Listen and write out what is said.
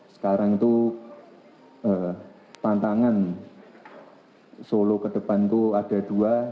sekarang itu tantangan solo ke depan itu ada dua